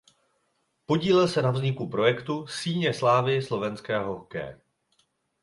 Podílel se na vzniku projektu Síně slávy slovenského hokeje.